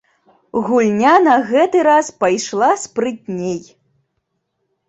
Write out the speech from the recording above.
Гульня на гэты раз пайшла спрытней.